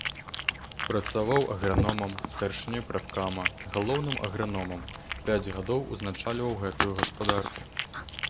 Працаваў аграномам, старшынёй прафкама, галоўным аграномам, пяць гадоў узначальваў гэтую гаспадарку.